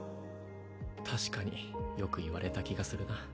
確かによく言われた気がするな